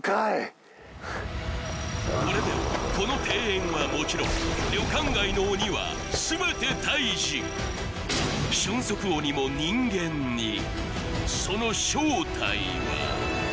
これでこの庭園はもちろん旅館街の鬼は全てタイジ俊足鬼も人間にその正体は？